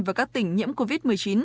và các tỉnh nhiễm covid một mươi chín